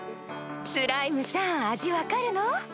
スライムさん味分かるの？